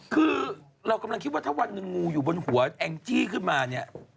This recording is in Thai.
คือเรากำลังคิดว่าถ้าวันหนึ่งงูอยู่บนหัวแองจี้ขึ้นมาเนี่ย